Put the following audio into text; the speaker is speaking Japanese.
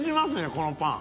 このパン。